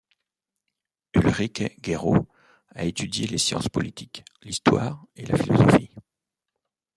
Ulrike Guérot a étudié les sciences politiques, l’histoire et la philosophie.